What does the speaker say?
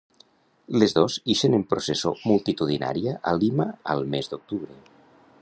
Les dos ixen en processó multitudinària a Lima al mes d'octubre.